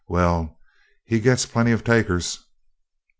Well, he gets plenty of takers!"